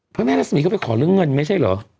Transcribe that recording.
พระแม่รัศมีร์ก็ไปขอเรื่องเงินไม่ใช่เหรอ